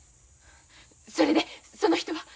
それでその人は？